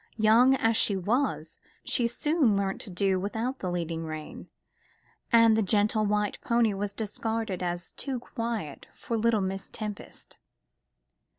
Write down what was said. Young as she was, she soon learnt to do without the leading rein, and the gentle white pony was discarded as too quiet for little Miss Tempest.